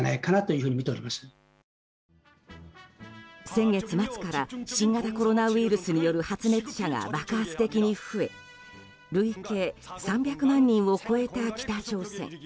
先月末から新型コロナウイルスによる発熱者が爆発的に増え累計３００万人を超えた北朝鮮。